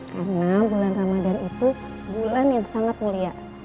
karena bulan ramadhan itu bulan yang sangat mulia